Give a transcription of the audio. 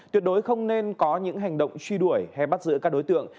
tuyệt đối không nên có những hành động truy đuổi hay bắt giữ các đối tượng